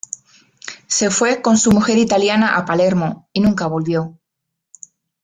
Se fue con su mujer italiana a Palermo y nunca volvió.